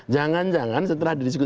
jangan jangan setelah didiskusi